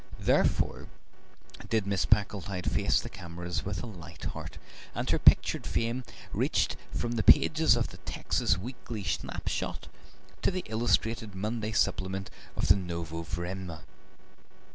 Therefore did Mrs. Packletide face the cameras with a light heart, and her pictured fame reached from the pages of the TEXAS WEEKLY SNAPSHOT to the illustrated Monday supplement of the NOVOE VREMYA.